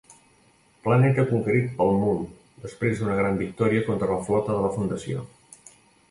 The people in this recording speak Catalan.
Planeta conquerit pel Mul després d'una gran victòria contra la Flota de la Fundació.